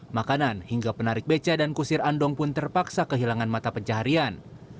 makanan hingga penarik beca dan kusir andong pun terpaksa kehilangan mata pencaharian